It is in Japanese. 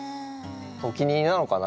お気に入りなのかな？